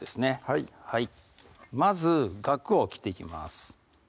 はいまずがくを切っていきます